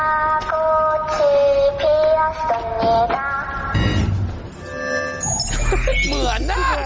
สัญญาเหมือนเนี่ย